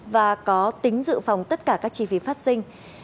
và có tính dự phòng tất cả các chi phí phát sinh